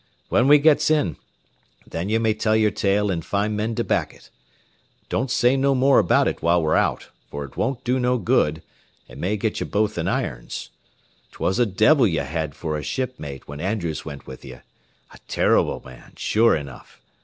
When we gets in, then ye may tell yer tale an' find men to back it. Don't say no more about it while we're out, for it won't do no good, an' may get ye both in irons. 'Twas a devil ye had for a shipmate when Andrews went with ye, a terrible man, sure enough.